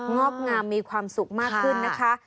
งอกงามมีความสุขมากขึ้นนะคะ